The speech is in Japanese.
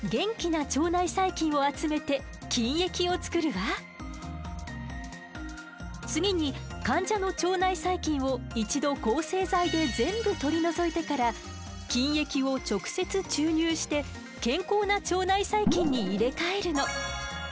まず次に患者の腸内細菌を一度抗生剤で全部取り除いてから菌液を直接注入して健康な腸内細菌に入れ替えるの。